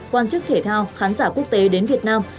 quan chức thể thao khán giả quốc tế đến việt nam